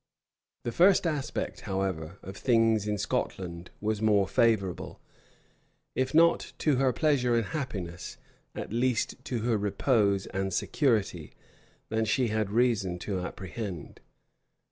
[*] The first aspect, however, of things in Scotland was more favorable, if not to her pleasure and happiness, at least to her repose and security, than she had reason to apprehend.